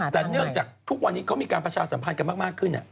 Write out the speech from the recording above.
แต่เนื่องจากทุกวันนี้เขามีการประชาสัมพันธ์กันมากขึ้น